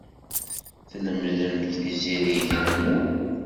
Tlemdem izirigen-nwen?